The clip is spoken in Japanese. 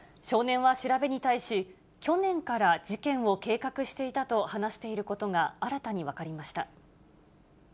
少年は調べに対し、去年から事件を計画していたと話していることが新たに分かりました。